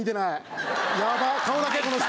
顔だけこの人。